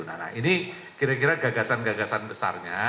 nah ini kira kira gagasan gagasan besarnya